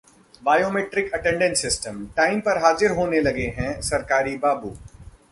biometric attendance system: time पर हाजिर होने लगे हैं सरकारी बाबू